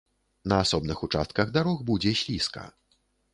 На асобных участках дарог будзе слізка.